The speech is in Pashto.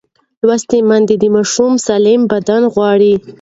لوستې میندې د ماشوم سالم بدن غواړي.